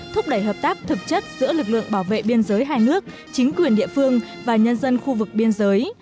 thúc đẩy hợp tác thực chất giữa lực lượng bảo vệ biên giới hai nước chính quyền địa phương và nhân dân khu vực biên giới